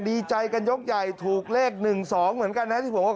ดีใจกันยกใหญ่ถูกเลข๑๒เหมือนกันนะที่บอกว่า